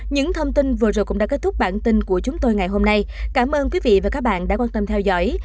những thông tin vừa rồi cũng đã kết thúc bản tin của chúng tôi ngày hôm nay cảm ơn quý vị và các bạn đã quan tâm theo dõi